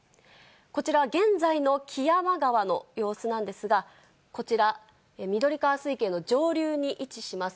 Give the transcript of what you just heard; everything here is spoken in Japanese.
こちら、現在の木山川の様子なんですが、こちら、緑川水系の上流に位置します。